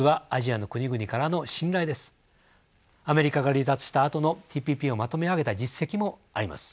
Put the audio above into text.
アメリカが離脱したあとのＴＰＰをまとめ上げた実績もあります。